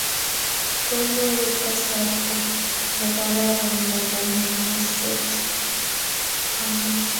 Kwanyoru kasarta nekararan nepo mung'set amut